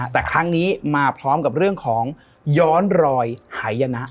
แต่ครั้งนี้มาพร้อมกับเรื่องของย้อนรอยหายนะ